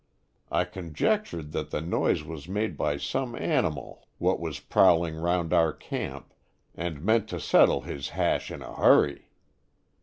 "I conjectured thet the noise was made by some animile what was prowl ing 'round our camp, and meant to settle his hash in a hurry.